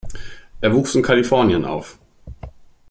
Er wuchs in Kalifornien auf.